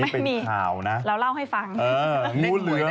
ไม่มีเราเล่าให้ฟัง